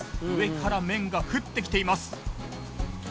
上から麺が降ってきています。